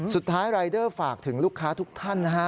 สุดท้ายรายเดอร์ฝากถึงลูกค้าทุกท่านนะฮะ